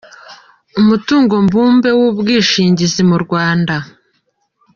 umutungo mbumbe w’ubwishingizi mu Rwanda.